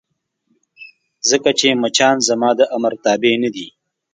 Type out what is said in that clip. ځکه چې مچان زما د امر تابع نه دي.